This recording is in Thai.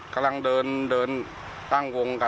กำลังเดินตั้งวงกัน